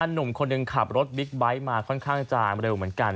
หนุ่มคนหนึ่งขับรถบิ๊กไบท์มาค่อนข้างจะเร็วเหมือนกัน